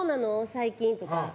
最近」とか。